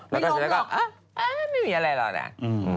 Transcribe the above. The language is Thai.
ไม่ยอมหรอกไม่มีอะไรหรอก